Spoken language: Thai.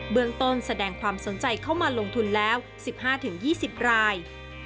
เมืองต้นแสดงความสนใจเข้ามาลงทุนแล้ว๑๕๒๐ราย